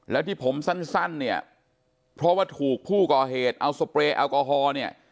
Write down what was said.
แล้วที่ผมสั้นเนี่ยเพราะว่าถูกผู้ก่อเหตุเอาสเปรย์แอลกอฮอล์เนี่ย